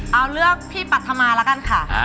เอาเลือกพี่ปัธมาแล้วกันค่ะ